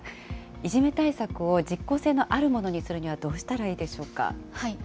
いじめ対策を実効性のあるものにするにはどうしたらいいでしょうか。